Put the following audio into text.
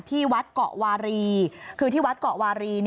ที่วัดเกาะวารีคือที่วัดเกาะวารี